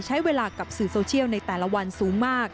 ใช้เวลากับสื่อโซเชียลในแต่ละวันสูงมาก